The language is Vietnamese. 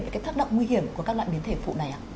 và các thác động nguy hiểm của các loại biến thể phụ này ạ